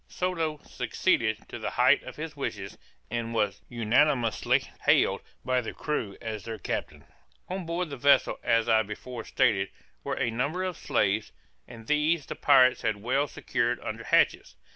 Soto succeeded to the height of his wishes, and was unanimously hailed by the crew as their captain. On board the vessel, as I before stated, were a number of slaves, and these the pirates had well secured under hatches.